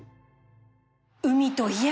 海といえば